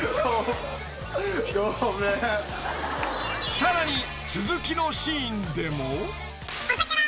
［さらに続きのシーンでも］えっ？